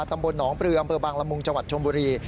ตำบลหนองปลืออำเภอบางละมุงจังหวัดชมบุรี